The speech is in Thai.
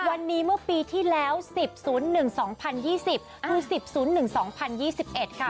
วันนี้เมื่อปีที่แล้ว๑๐๑๒๐๒๐คือ๑๐๑๒๐๒๑ค่ะ